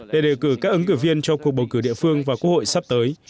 để đề cử các ứng cử viên cho cuộc bầu cử địa phương và quốc hội sắp tới